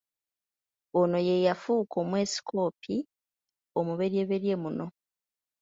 Ono ye yafuuka Omwepiskopi omubereberye muno.